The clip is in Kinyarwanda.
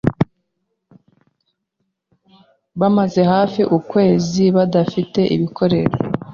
Bamaze hafi ukwezi badafite ibikoresho.